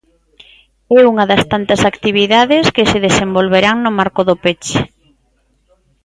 É unha das tantas actividades que se desenvolverán no marco do peche.